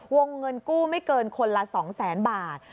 วงเงินกู้ไม่เกินคนละ๒๐๐๐๐บาท